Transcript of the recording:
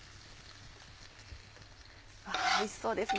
おいしそうですね